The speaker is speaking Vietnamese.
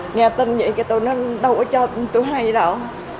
nghe tin vậy kìa tụi nó đâu có cho tụi hay đâu